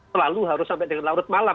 selalu harus sampai dengan larut malam